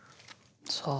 さあ？